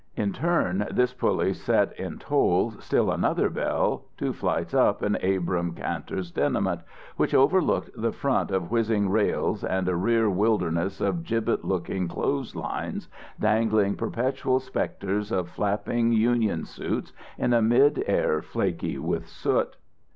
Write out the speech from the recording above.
In turn, this pulley set in toll still another bell, two flights up in Abrahm Kantor's tenement, which overlooked the front of whizzing rails and a rear wilderness of gibbet looking clothes lines, dangling perpetual specters of flapping union suits in a mid air flaky with soot.